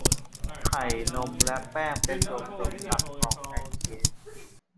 ไข่นมและแป้งเป็นส่วนผสมหลักของแพนเค้ก